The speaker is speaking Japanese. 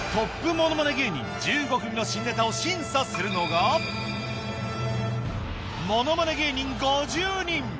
ものまね芸人１５組の新ネタをものまね芸人５０人！